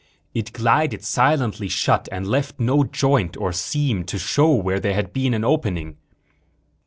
It glided silently shut and left no joint or seam to show where there had been an opening.